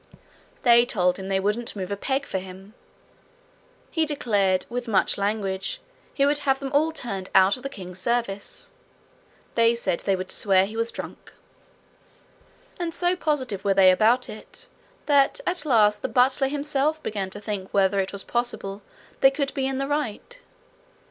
They told him they wouldn't move a peg for him. He declared, with much language, he would have them all turned out of the king's service. They said they would swear he was drunk. And so positive were they about it, that at last the butler himself began to think whether it was possible they could be in the right.